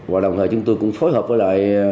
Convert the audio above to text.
và đồng thời chúng tôi cũng phối hợp với lại